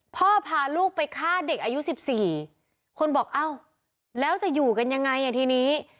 พาลูกไปฆ่าเด็กอายุ๑๔คนบอกอ้าวแล้วจะอยู่กันยังไงอ่ะทีนี้